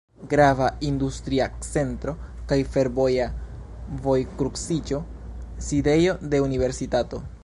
Grava industria centro kaj fervoja vojkruciĝo, sidejo de universitato.